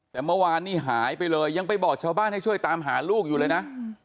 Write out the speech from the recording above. แต่เมื่อวานนี้หายไปเลยยังไปบอกชาวบ้านให้ช่วยตามหาลูกอยู่เลยนะ